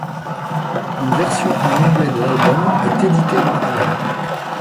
Une version en anglais de l'album est éditée en parallèle.